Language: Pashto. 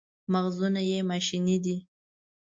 مغزونه یې ماشیني دي.